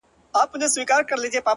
• یوه ورځ یې وو مېړه ستړی راغلی ,